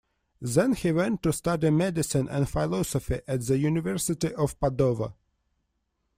Then he went to study medicine and philosophy at the University of Padova.